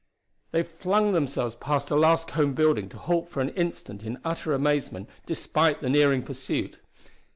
They flung themselves past a last cone building to halt for an instant in utter amazement despite the nearing pursuit.